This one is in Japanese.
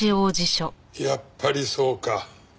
やっぱりそうか。